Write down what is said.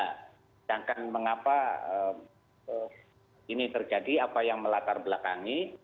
sedangkan mengapa ini terjadi apa yang melatar belakangi